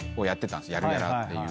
『やるやら』っていう。